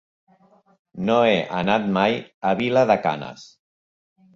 No he anat mai a Vilar de Canes.